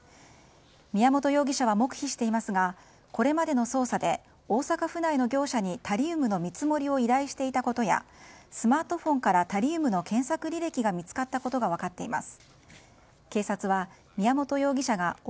宮本容疑者は黙秘していますがこれまでの捜査で大阪府内の業者にタリウムの見積もりを依頼していたことやスマートフォンからタリウムの検索履歴が見つかったことが分かっています。